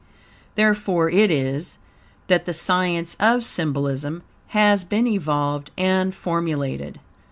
Therefore it is, that the science of Symbolism has been evolved and formulated.